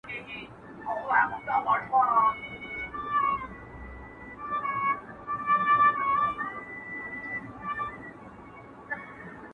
حکومت د سولي پروسه نه خرابوي.